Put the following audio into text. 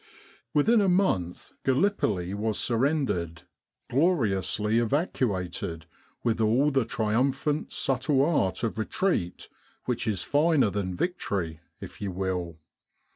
Within a month Gallipoli was surrendered gloriously evacuated with all the triumphant subtle art of retreat which is finer than victory, if you will.